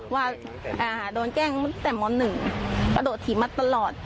ว่าโดนแกล้งตั้งแต่ม๑กระโดดถีบมัดตลอด